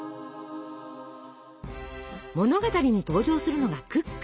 物語に登場するのがクック。